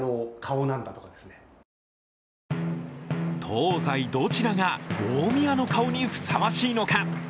東西どちらが大宮の顔にふさわしいのか。